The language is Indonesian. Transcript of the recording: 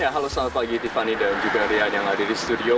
halo selamat pagi tiffany dan juga rian yang hadir di studio